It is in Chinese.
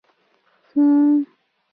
常见于南方。